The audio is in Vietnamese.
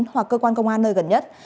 hoặc cơ quan công an nơi gần nhất